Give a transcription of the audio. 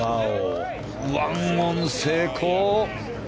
１オン成功。